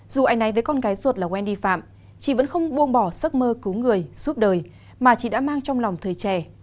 dù anh ấy với con gái ruột là wendy phạm chị vẫn không buông bỏ sức mơ cứu người suốt đời mà chị đã mang trong lòng thời trẻ